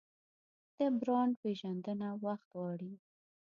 د برانډ پیژندنه وخت غواړي.